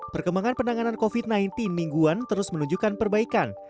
perkembangan penanganan covid sembilan belas mingguan terus menunjukkan perbaikan